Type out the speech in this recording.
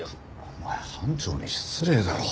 お前班長に失礼だろ。